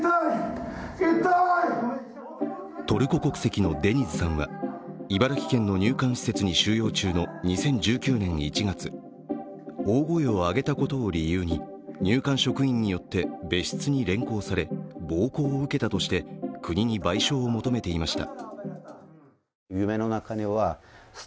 トルコ国籍のデニズさんは茨城県の入管施設に収容中の２０１９年１月、大声を上げたことを理由に入管職員によって別室に連行され、暴行を受けたとして国に賠償を求めていました。